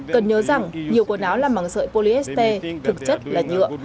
cần nhớ rằng nhiều quần áo làm bằng sợi polyester thực chất là nhựa